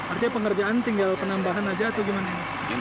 artinya pengerjaan tinggal penambahan aja atau gimana